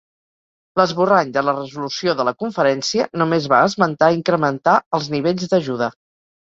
L'esborrany de la resolució de la conferència, només va esmentar incrementar els nivells d'ajuda.